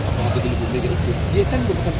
karena dia berpikirkan dengan pihak itu